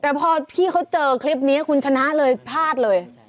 แต่พอพี่เขาเจอคลิปนี้คุณชนะเลยพลาดเลย